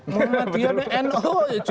muhammadiyah itu no